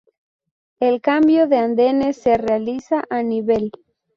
El cambio de andenes se realiza a nivel.